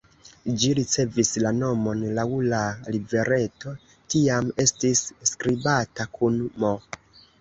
Ĝi ricevis la nomon laŭ la rivereto, tiam estis skribata kun "m".